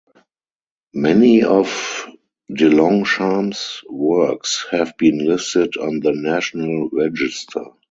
Many of DeLongchamps' works have been listed on the National Register.